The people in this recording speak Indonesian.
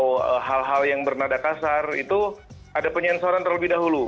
atau hal hal yang bernada kasar itu ada penyensoran terlebih dahulu